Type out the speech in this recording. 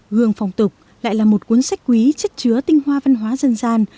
gương phong tục lại là một cuốn sách quý chất chứa tinh hoa văn hóa dân gian